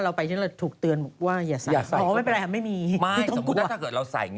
เราไปที่นี่ถูกเตือนบอกว่าอย่าใส่